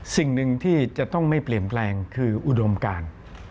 สิ่งหนึ่งที่จะต้องไม่เปลี่ยนแปลงคืออุดมการ